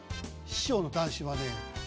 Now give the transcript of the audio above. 師匠の談志はね